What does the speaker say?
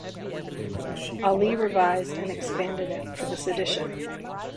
Ali revised and expanded it for this edition.